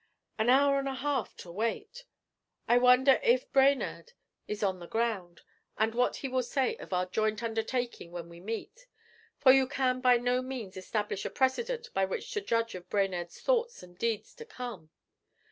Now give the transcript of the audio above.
'An hour and a half to wait! I wonder if Brainerd is on the ground, and what he will say of our joint undertaking when we meet; for you can by no means establish a precedent by which to judge of Brainerd's thoughts and deeds to come.